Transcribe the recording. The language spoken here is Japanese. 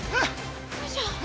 よいしょ。